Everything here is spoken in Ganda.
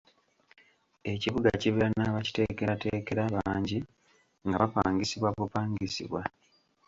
Ekibuga kibeera n'abakiteekerateekera bangi nga bapangisibwa bupangisibwa.